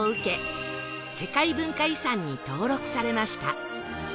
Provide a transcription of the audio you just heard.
世界文化遺産に登録されました